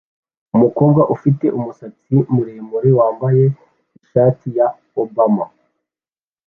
Umukobwa ufite umusatsi muremure wambaye t-shirt ya Obama